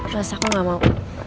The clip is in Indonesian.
mas aku gak mau